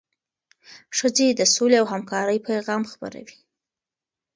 ښځې د سولې او همکارۍ پیغام خپروي.